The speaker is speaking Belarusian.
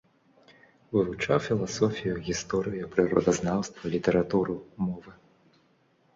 Вывучаў філасофію, гісторыю, прыродазнаўства, літаратуру, мовы.